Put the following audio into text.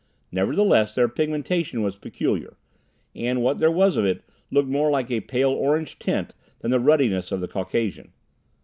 Nevertheless, their pigmentation was peculiar, and what there was of it looked more like a pale orange tint than the ruddiness of the Caucasian.